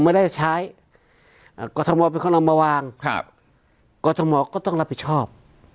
ไม่ได้ใช้กรทมเป็นคนนำมาวางครับกรทมก็ต้องรับผิดชอบ